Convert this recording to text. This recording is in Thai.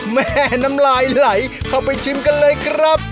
แม่น้ำลายไหลเข้าไปชิมกันเลยครับ